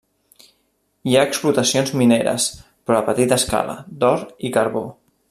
Hi ha explotacions mineres, però a petita escala, d'or i carbó.